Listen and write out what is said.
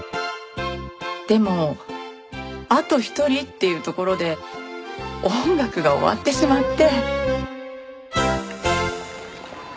でもあと一人っていうところで音楽が終わってしまって。